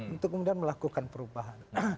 untuk kemudian melakukan perubahan